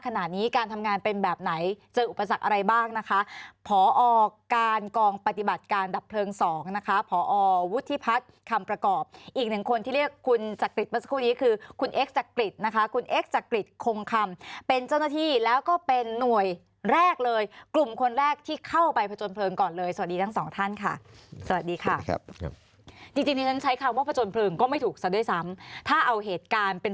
นะคะผอวุฒิพัฒน์คำประกอบอีกหนึ่งคนที่เรียกคุณจักริตมาสักครู่นี้คือคุณเอ็กซจักริตนะคะคุณเอ็กซจักริตคงคำเป็นเจ้าหน้าที่แล้วก็เป็นหน่วยแรกเลยกลุ่มคนแรกที่เข้าไปผจญเพลิงก่อนเลยสวัสดีทั้งสองท่านค่ะสวัสดีค่ะครับจริงจริงฉันใช้คำว่าผจญเพลิงก็ไม่ถูกซะด้วยซ้ำถ้าเอาเหตุการณ์